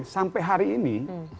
sampai hari ini